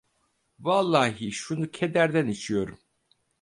Vallahi şunu kederden içiyorum.